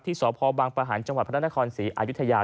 ที่สบประหารจังหวัดพระราชนาคอนศรีอายุทยา